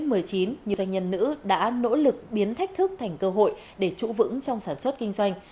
nhiều doanh nhân nữ đã nỗ lực biến thách thức thành cơ hội để trụ vững trong sản xuất kinh doanh